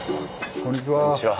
こんにちは。